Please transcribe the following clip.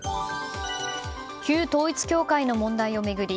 旧統一教会の問題を巡り